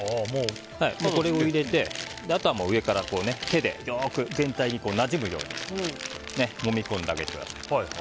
これを入れて、あとは上から手でよく全体になじむようにもみ込んであげてください。